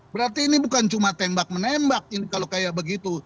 berarti ini bukan cuma tembak menembak ini kalau kayak begitu